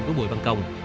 của bùi văn công